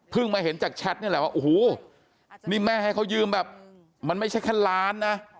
มาเห็นจากแชทนี่แหละว่าโอ้โหนี่แม่ให้เขายืมแบบมันไม่ใช่แค่ล้านนะ